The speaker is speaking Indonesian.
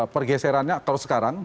pergeserannya kalau sekarang